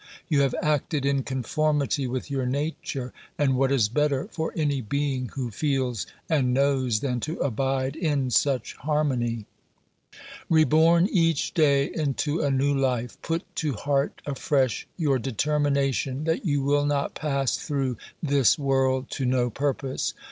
You have acted in conformity with your nature, and what is better for any being who feels and knows than to abide in such harmony ? Reborn each day into a new life, put to heart afresh your determination that you will not pass through this world to no purpose.